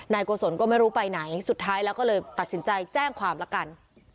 โกศลก็ไม่รู้ไปไหนสุดท้ายแล้วก็เลยตัดสินใจแจ้งความละกัน